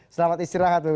selamat istirahat w w